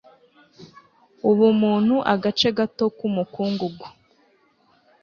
ubumuntu, agace gato k'umukungugu